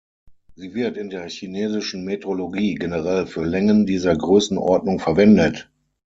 Sie wird in der chinesischen Metrologie generell für Längen dieser Größenordnung verwendet.